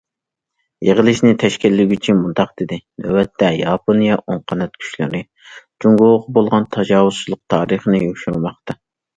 يىغىلىشنى تەشكىللىگۈچى مۇنداق دېدى: نۆۋەتتە ياپونىيە ئوڭ قانات كۈچلىرى جۇڭگوغا بولغان تاجاۋۇزچىلىق تارىخىنى يوشۇرماقتا.